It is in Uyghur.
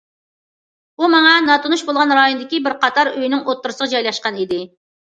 ئۇ ماڭا ناتونۇش بولغان رايوندىكى بىر قاتار ئۆينىڭ ئوتتۇرىسىغا جايلاشقان ئىدى.